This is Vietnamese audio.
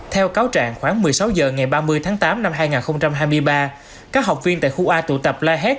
theo cáo trạng khoảng một mươi sáu h ngày ba mươi tháng tám năm hai nghìn hai mươi ba các học viên tại khu a tụ tập la hét